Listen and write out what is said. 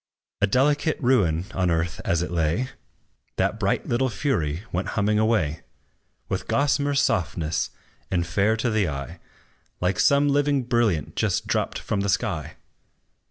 A delicate ruin on earth as it lay, That bright little fury went humming away, With gossamer softness, and fair to the eye, Like some living brilliant just dropped from the sky.